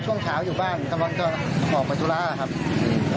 ช่วงเช้าอยู่บ้านกำลังจะออกไปธุระครับอืม